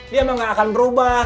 dia memang nggak akan berubah